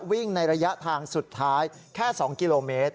วิ่งในระยะทางสุดท้ายแค่๒กิโลเมตร